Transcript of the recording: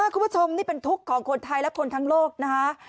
คุณผู้ชมนี่เป็นทุกข์ของคนไทยและคนทั้งโลกนะคะ